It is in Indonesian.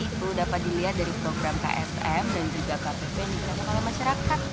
itu dapat dilihat dari program ksm dan juga ktp yang digunakan oleh masyarakat